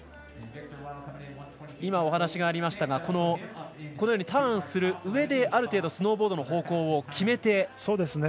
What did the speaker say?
今、お話がありましたがターンするうえで、ある程度スノーボードの方向を決めて。